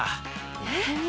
えっ？